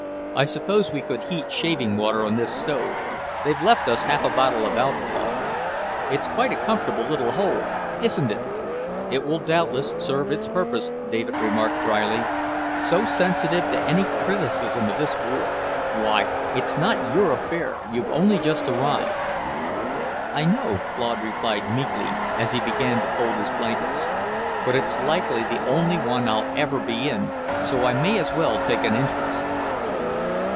I suppose we could heat shaving water on this stove; they've left us half a bottle of alcohol. It's quite a comfortable little hole, isn't it?" "It will doubtless serve its purpose," David remarked dryly. "So sensitive to any criticism of this war! Why, it's not your affair; you've only just arrived." "I know," Claude replied meekly, as he began to fold his blankets. "But it's likely the only one I'll ever be in, so I may as well take an interest."